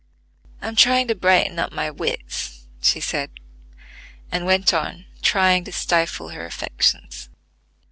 "I'm trying to brighten up my wits," she said, and went on trying to stifle her affections.